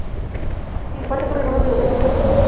Imparte programas de educación con niños.